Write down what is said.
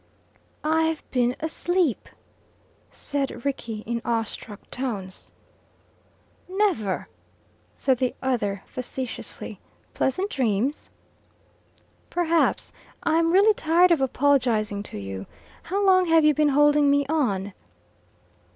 "I've been asleep!" said Rickie, in awestruck tones. "Never!" said the other facetiously. "Pleasant dreams?" "Perhaps I'm really tired of apologizing to you. How long have you been holding me on?"